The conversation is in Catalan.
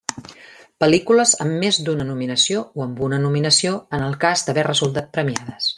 Pel·lícules amb més d'una nominació, o amb una nominació en el cas d'haver resultat premiades.